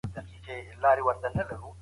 افراطیت په هره برخه کي زیان اړوونکی دی.